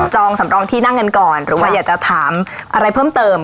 องสำรองที่นั่งกันก่อนหรือว่าอยากจะถามอะไรเพิ่มเติม